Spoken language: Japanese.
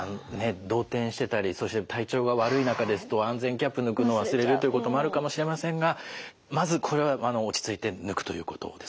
動転してたりそして体調が悪い中で安全キャップ抜くのを忘れるということもあるかもしれませんがまずこれ落ち着いて抜くということですね。